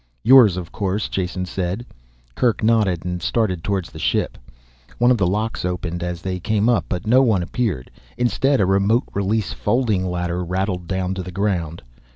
"Yours, of course," Jason said. Kerk nodded and started towards the ship. One of the locks opened as they came up but no one appeared. Instead a remote release folding ladder rattled down to the ground.